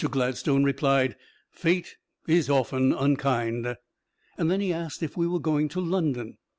Gladstone replied, "Fate is often unkind." Then he asked if we were going to London.